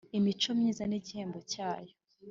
imico myiza nigihembo cyayo